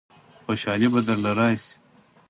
خوشالۍ به درله رايشي.